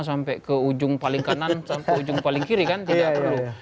sampai ke ujung paling kanan sampai ujung paling kiri kan tidak perlu